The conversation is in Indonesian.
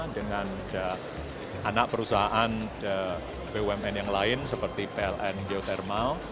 dengan anak perusahaan bumn yang lain seperti pln geothermal